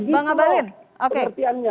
itu semua kepercayaannya